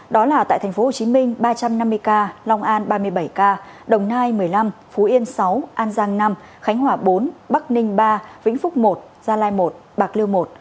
đó là tại tp hcm ba trăm năm mươi ca long an ba mươi bảy ca đồng nai một mươi năm phú yên sáu an giang năm khánh hòa bốn bắc ninh ba vĩnh phúc một gia lai một bạc liêu một